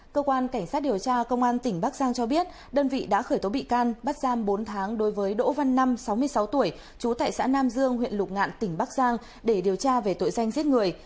cơ quan cảnh sát điều tra công an tỉnh bắc giang cho biết đơn vị đã khởi tố bị can bắt giam bốn tháng đối với đỗ văn năm sáu mươi sáu tuổi trú tại xã nam dương huyện lục ngạn tỉnh bắc giang để điều tra về tội danh giết người